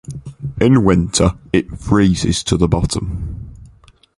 In winter it freezes to the bottom.